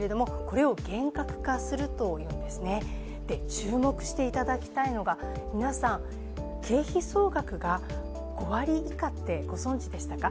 注目していただきたいのが、皆さん、経費総額が５割以下って、ご存じでしたか？